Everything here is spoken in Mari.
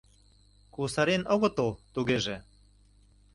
— Кусарен огытыл, тугеже?